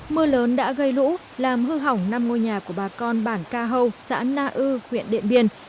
mưa lớn đã gây lũ làm hư hỏng năm ngôi nhà của bà con bản ca hâu xã na ư huyện điện biên